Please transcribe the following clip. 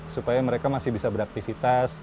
supaya mereka masih bisa beraktivitas